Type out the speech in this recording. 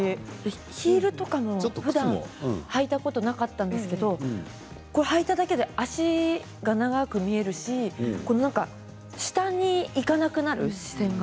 ヒールとかもふだん履いたことなかったんですけどはいただけで脚が長く見えるし下にいかなくなる、視線が。